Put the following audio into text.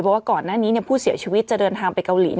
ว่าก่อนหน้านี้ผู้เสียชีวิตจะเดินทางไปเกาหลี